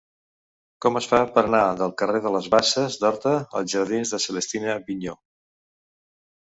Com es fa per anar del carrer de les Basses d'Horta als jardins de Celestina Vigneaux?